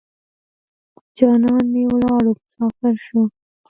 جانان مې ولاړو مسافر شو.